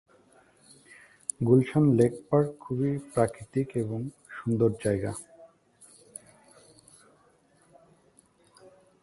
শুধুমাত্র দৃশ্যগুলো পরপর জোড়া লাগিয়ে দিয়ে একসঙ্গে দেখানো হচ্ছিল বলেই দৃশ্যগুলো পরস্পর সম্পর্কযুক্ত মনে হচ্ছিল।